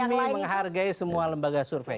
kami menghargai semua lembaga survei